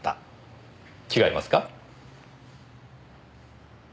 違いますか？